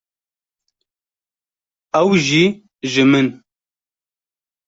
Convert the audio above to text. ew jî ji min.